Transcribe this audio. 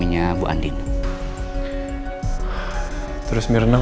bisa dikasih tau gak